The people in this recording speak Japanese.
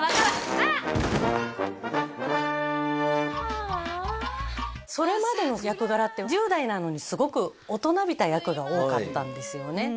ああそれまでの役柄って１０代なのにすごく大人びた役が多かったんですよね